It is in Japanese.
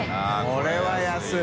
これは安い。